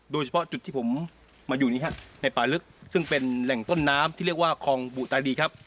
โดยเฉพาะจุดที่ผมมาอยู่นี้ครับในป่าลึกซึ่งเป็นแหล่งต้นน้ำที่เรียกว่าคลองบุตายดีครับ